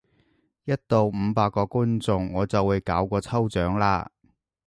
一到五百個觀眾我就會搞個抽獎喇！